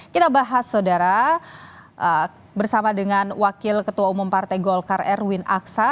kita bahas saudara bersama dengan wakil ketua umum partai golkar erwin aksa